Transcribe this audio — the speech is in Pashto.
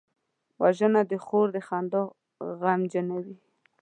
وژنه د خور د خندا غمجنوي